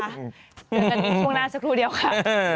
เกิดช่วงแล้วสักครู่เดียวค่ะ